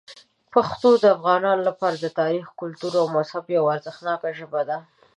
پښتو د افغانانو لپاره د تاریخ، کلتور او مذهب یوه ارزښتناک ژبه ده.